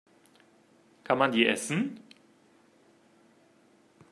Kann man die essen?